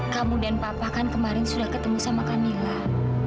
kamu dan papa kan kemarin sudah ketemu sama kaniwa